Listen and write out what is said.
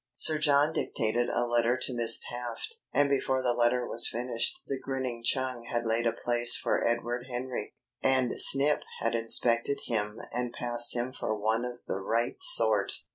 Sir John dictated a letter to Miss Taft, and before the letter was finished the grinning Chung had laid a place for Edward Henry, and Snip had inspected him and passed him for one of the right sort.